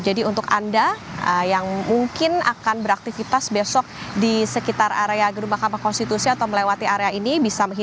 jadi untuk anda yang mungkin akan beraktifitas besok di sekitar area gedung mahkamah konstitusi atau melewati area ini